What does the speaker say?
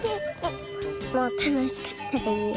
もうたのしかった。